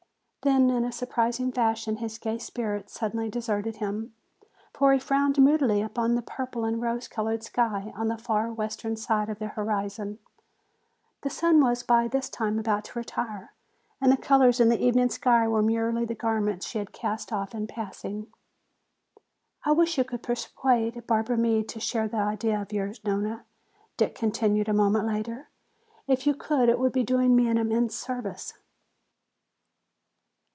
Then in a surprising fashion his gay spirits suddenly deserted him. For he frowned moodily toward the purple and rose colored sky on the far western side of the horizon. The sun was by this time about to retire and the colors in the evening sky were merely the garments she had cast off in passing. "I wish you could persuade Barbara Meade to share that idea of yours, Nona?" Dick continued a moment later. "If you could you would be doing me an immense service."